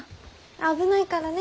危ないからね。